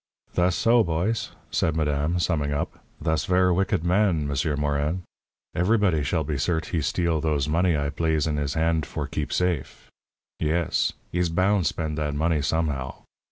"Thass so, boys," said madame, summing up. "Thass ver' wicked man, M'sieur Morin. Everybody shall be cert' he steal those money I plaze in his hand for keep safe. Yes. He's boun' spend that money, somehow."